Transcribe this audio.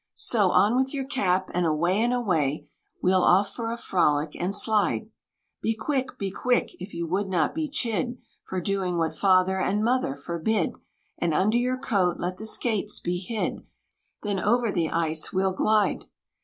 So, on with your cap; and away, away, We'll off for a frolic and slide, Be quick be quick, if you would not be chid For doing what father and mother forbid; And under your coat let the skates be hid; Then over the ice we'll glide."